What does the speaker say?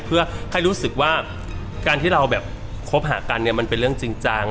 เพื่อให้รู้สึกว่าการที่เราแบบคบหากันเนี่ยมันเป็นเรื่องจริงจัง